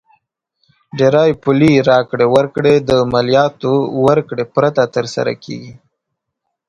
ډېری پولي راکړې ورکړې د مالیاتو ورکړې پرته تر سره کیږي.